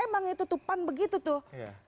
yang begitu tuh